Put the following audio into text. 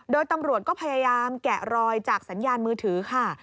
โดยตำรวจก็พยายามแกะรอยจากสัญญาณมือถือค่ะ